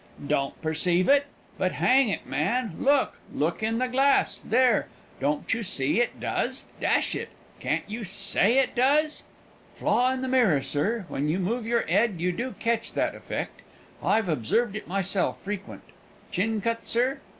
"Don't perceive it? But, hang it, man, look look in the glass! There! don't you see it does? Dash it! can't you say it does?" "Flaw in the mirror, sir; when you move your 'ed, you do ketch that effect. I've observed it myself frequent. Chin cut, sir?